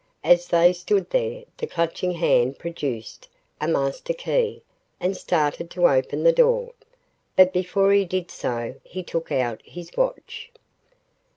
As they stood there, the Clutching Hand produced a master key and started to open the door. But before he did so, he took out his watch.